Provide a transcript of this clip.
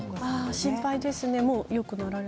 心配ですね。